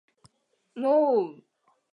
もーう